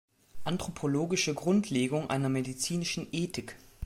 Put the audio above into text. Anthropologische Grundlegung einer medizinischen Ethik"".